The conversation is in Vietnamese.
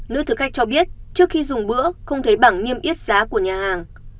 nữ thực khách cho biết trước khi dùng bữa không thấy bảng niêm yết giá của nhà hàng